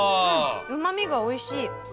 うま味がおいしい。